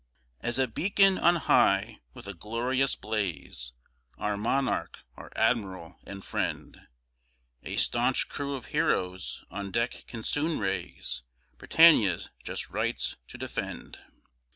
As a Beacon on high with a glorious blaze, Our Monarch, our Admiral, and Friend, A staunch crew of heroes on deck can soon raise Britannia's just rights to defend.